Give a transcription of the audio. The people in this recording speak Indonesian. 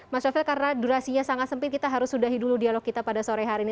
mas sofil karena durasinya sangat sempit kita harus sudahi dulu dialog kita pada sore hari ini